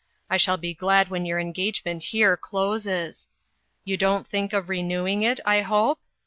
I shall be glad when your engagement here closes. You don't think of renewing it, I hope